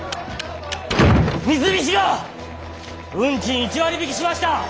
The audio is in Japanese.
三菱が運賃１割引きしました！